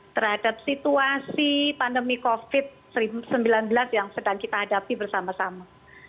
terhadap situasi pandemi covid sembilan belas yang sedang kita hadapi bersama sama